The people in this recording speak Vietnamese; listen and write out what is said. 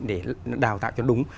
để đào tạo cho đúng